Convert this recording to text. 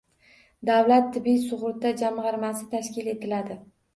Davlat tibbiy sug‘urta jamg‘armasi tashkil etiladi